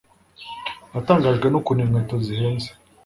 Natangajwe n'ukuntu inkweto zihenze.